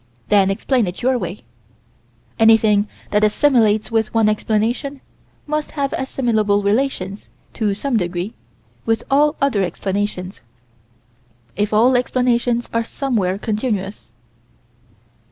Then explain it your way. Anything that assimilates with one explanation, must have assimilable relations, to some degree, with all other explanations, if all explanations are somewhere continuous.